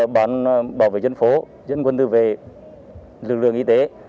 bảo vệ dân phố dân quân tư về lực lượng y tế